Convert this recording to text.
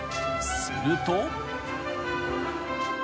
すると］